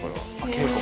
稽古。